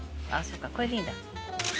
これでいいんだ。